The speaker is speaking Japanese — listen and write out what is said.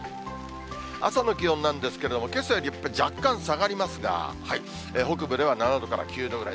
朝の気温なんですけれども、けさよりやっぱり若干下がりますが、北部では７度から９度ぐらい。